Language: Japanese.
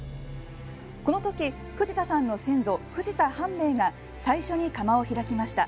この時、藤田さんの先祖藤田半平が最初に窯を開きました。